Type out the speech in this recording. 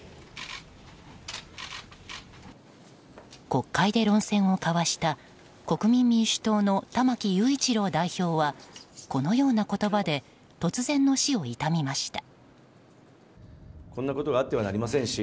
国会で論戦を交わした国民民主党の玉木雄一郎代表はこのような言葉で突然の死を悼みました。